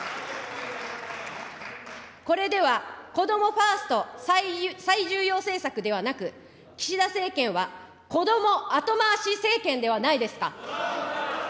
これではこどもファースト、最重要政策ではなく、岸田政権は、こども後回し政権ではないですか。